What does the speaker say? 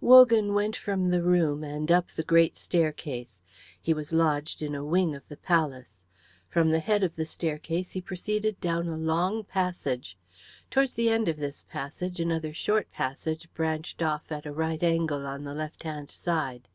Wogan went from the room and up the great staircase. He was lodged in a wing of the palace. From the head of the staircase he proceeded down a long passage. Towards the end of this passage another short passage branched off at a right angle on the left hand side.